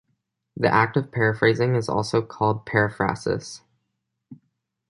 The act of paraphrasing is also called "paraphrasis".